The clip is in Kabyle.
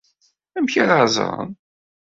Amek ara ẓren?